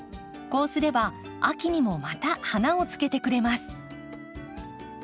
こうすれば秋にもまた花をつけてくれます。